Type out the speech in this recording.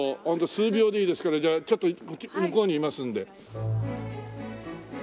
ホント数秒でいいですからじゃあちょっと向こうにいますんで。